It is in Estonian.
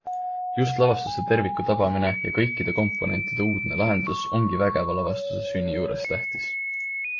Just lavastuse terviku tabamine ja kõikide komponentide uudne lahendus ongi vägeva lavastuse sünni juures tähtis.